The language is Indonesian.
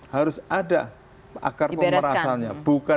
harus ada akar permasalahannya